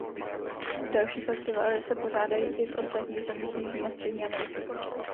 Další festivaly se pořádají i v ostatních zemích Jižní a Střední Ameriky.